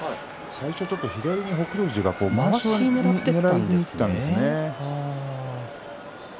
最初は少し左に北勝富士がまわしをねらいにいったんですね。